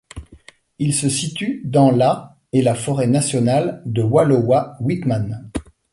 Il se situe dans la et la forêt nationale de Wallowa-Whitman.